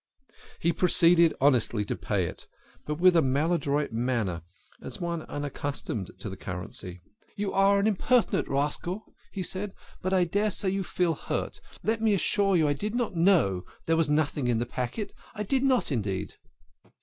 He proceeded honestly to pay it, but with a maladroit manner, as one unaccustomed to the currency. "You are an impertinent rascal," he said, "but I daresay you feel hurt. Let me assure you I did not know there was nothing in the packet. I did not, indeed."